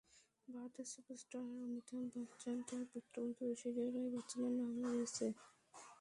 ভারতের সুপারস্টার অমিতাভ বচ্চন, তাঁর পুত্রবধূ ঐশ্বরিয়া রাই বচ্চনের নামও রয়েছে।